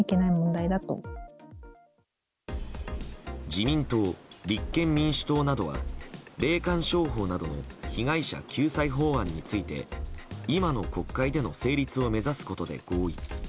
自民党、立憲民主党などは霊感商法などの被害者救済法案について今の国会での成立を目指すことで合意。